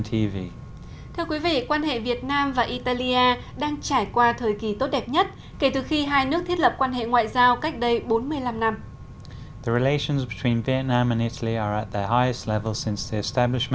thưa quý vị quan hệ việt nam và italia đang trải qua thời kỳ tốt đẹp nhất kể từ khi hai nước thiết lập quan hệ ngoại giao cách đây bốn mươi năm năm